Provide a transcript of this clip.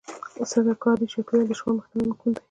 څرنګه کاري چاپېريال کې د شخړو مخنيوی ممکن دی؟